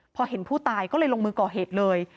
พอเห็นผู้ตายก็เลยลงมือก่อเหตุเลย